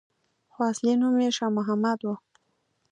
خو اصلي نوم یې شا محمد وو.